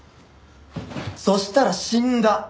そしたら死んだ！